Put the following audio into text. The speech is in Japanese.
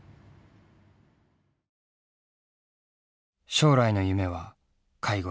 将来の夢は介護士。